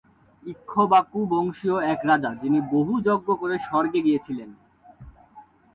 ইক্ষ্বাকুবংশীয় এক রাজা, যিনি বহু যজ্ঞ করে স্বর্গে গিয়েছিলেন।